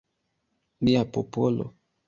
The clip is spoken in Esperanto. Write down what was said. Mia popolo!